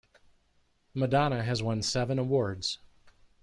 Madonna has won seven awards.